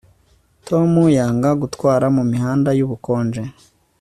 Tom yanga gutwara mumihanda yubukonje